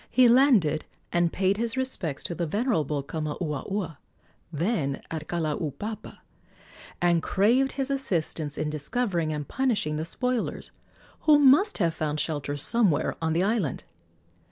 He landed and paid his respects to the venerable Kamauaua, then at Kalaupapa, and craved his assistance in discovering and punishing the spoilers, who must have found shelter somewhere on the island.